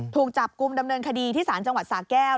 ถูกจับกลุ่มดำเนินคดีที่ศาลจังหวัดสาแก้ว